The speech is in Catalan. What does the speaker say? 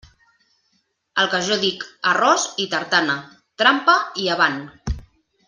El que jo dic: «arròs i tartana»..., trampa i avant.